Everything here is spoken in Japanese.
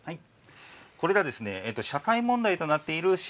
これが社会問題となっている鹿